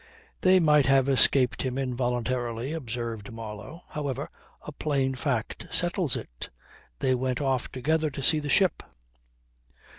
"They might have escaped him involuntarily," observed Marlow. "However, a plain fact settles it. They went off together to see the ship."